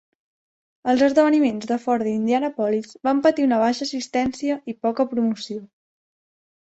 Els esdeveniments de fora d'Indianapolis van patir una baixa assistència i poca promoció.